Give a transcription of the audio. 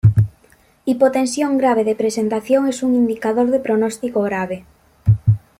Hipotensión grave de presentación es un indicador de pronóstico grave.